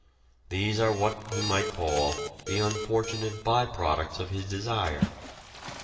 These are what he might call the unfortunate by products of his desire.